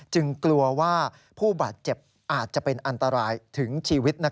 กลัวว่าผู้บาดเจ็บอาจจะเป็นอันตรายถึงชีวิต